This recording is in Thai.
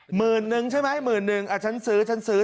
หมื่นนึงใช่ไหมหมื่นนึงอ่ะฉันซื้อฉันซื้อ